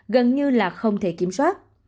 gần như là không thể kiểm soát